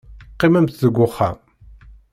Qqimemt deg uxxam.